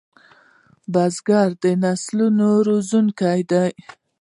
بزګر د نسلونو روزونکی دی